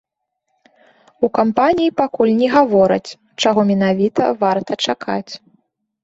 У кампаніі пакуль не гавораць, чаго менавіта варта чакаць.